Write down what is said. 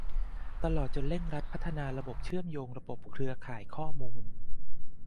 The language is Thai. ตลอดจนเร่งรัดการพัฒนาระบบเชื่อมโยงระบบเครือข่ายข้อมูล